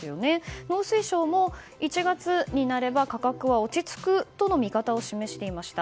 農水省も１月になれば価格は落ち着くとの見方を示していました。